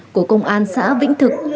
của công an xã vĩnh thực